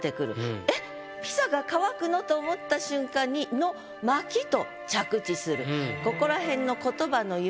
ピザが乾くの？と思った瞬間に「の薪」と着地する。